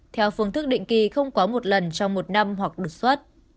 theo phương thức định kỳ không quá một lần trong một năm hoặc đột xuất